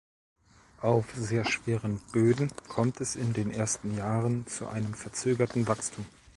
Auf sehr schweren Böden kommt es in den ersten Jahren zu einem verzögerten Wachstum.